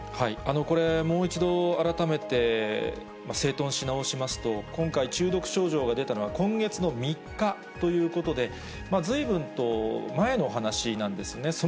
これ、もう一度改めて整とんし直しますと、今回、中毒症状が出たのは、今月の３日ということで、ずいぶんと前の話なんですね。